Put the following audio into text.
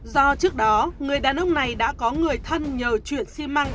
do trước đó người đàn ông này đã có người thân nhờ chuyển xi măng